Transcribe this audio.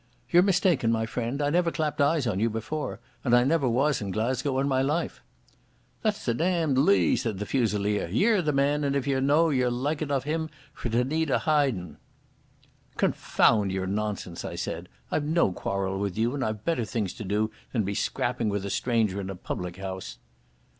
"You're mistaken, my friend. I never clapped eyes on you before, and I never was in Glasgow in my life." "That's a damned lee," said the Fusilier. "Ye're the man, and if ye're no, ye're like enough him to need a hidin'!" "Confound your nonsense!" I said. "I've no quarrel with you, and I've better things to do than be scrapping with a stranger in a public house."